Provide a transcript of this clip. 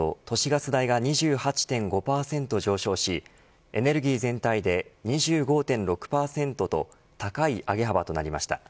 ガス代が２８．５％上昇しエネルギー全体で２５．６％と高い上げ幅となりました。